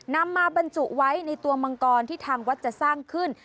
นำมาบรรจุไว้ในตัวมังกรที่ทางวัดจะสร้างขึ้น